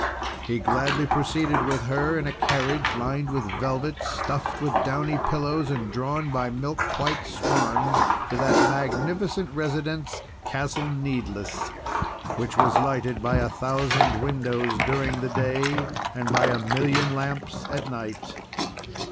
He gladly proceeded with her in a carriage lined with velvet, stuffed with downy pillows, and drawn by milk white swans, to that magnificent residence, Castle Needless, which was lighted by a thousand windows during the day and by a million lamps at night.